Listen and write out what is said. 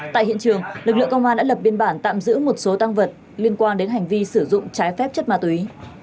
tại hiện trường lực lượng công an đã lập biên bản tạm giữ một số tăng vật liên quan đến hành vi sử dụng trái phép chất ma túy